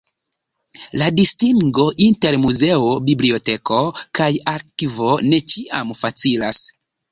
La distingo inter muzeo, biblioteko kaj arkivo ne ĉiam facilas.